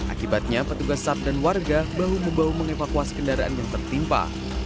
akibatnya petugas sat dan warga bahu membahu mengevakuasi kendaraan yang tertimpa